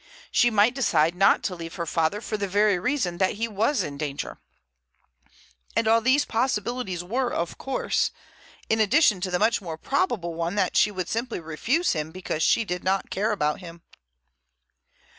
She might decide not to leave her father for the very reason that he was in danger. And all these possibilities were, of course, in addition to the much more probable one that she would simply refuse him because she did not care about him.